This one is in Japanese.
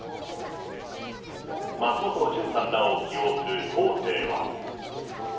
松本潤さんらを起用するコーセーは。